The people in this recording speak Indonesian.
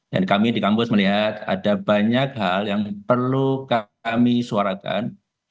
dan kami di kampus melihat ada banyak hal yang perlu kami suarakan